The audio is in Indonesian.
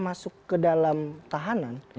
masuk ke dalam tahanan